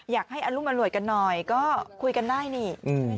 อยากให้อรุมอร่วยกันหน่อยก็คุยกันได้นี่